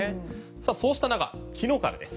さあ、そうした中昨日からです。